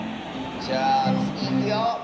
じゃあつぎいくよ。